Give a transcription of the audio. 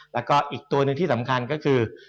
แล้วก็อีกตัวหนึ่งที่สำคัญก็คือ